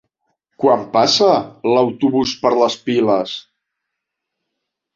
Quan passa l'autobús per les Piles?